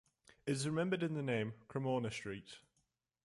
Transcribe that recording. It is remembered in the name "Cremorne Street".